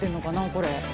これ。